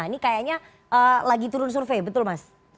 ini kayaknya lagi turun survei betul mas